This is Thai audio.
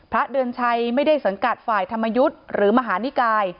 พระเดือนชัยไม่ได้สังกัดฝ่ายธรรมยุทธ์หรือมหานิกาย